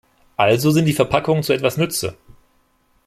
Also sind die Verpackungen zu etwas nütze!